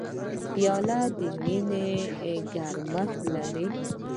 پیاله د مینې ګرمښت لري.